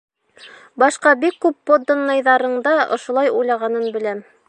Башҡа бик күп подданыйҙарың да ошолай уйлағанын беләм.